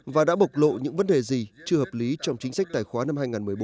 và đã bộc lộ những vấn đề gì chưa hợp lý trong chính sách tài khoá năm hai nghìn một mươi bốn